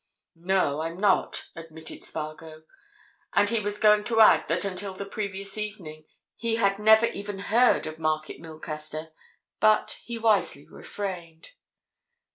"No, I'm not," admitted Spargo. And he was going to add that until the previous evening he had never even heard of Market Milcaster, but he wisely refrained.